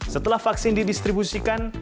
setelah vaksin didistribusikan